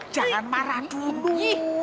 jangan marah dulu